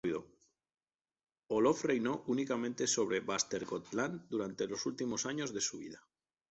Olof reinó únicamente sobre Västergötland durante los últimos años de su vida.